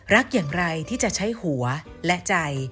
รักอย่างไรที่จะใช้หัวและใจ